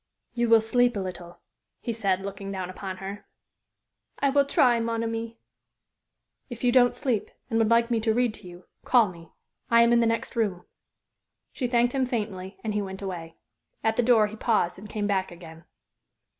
"You will sleep a little?" he said, looking down upon her. "I will try, mon ami." "If you don't sleep, and would like me to read to you, call me. I am in the next room." She thanked him faintly, and he went away. At the door he paused and came back again.